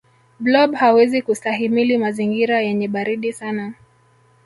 blob hawezi kustahimili mazingira yenye baridi sana